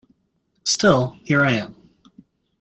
Still, here I am.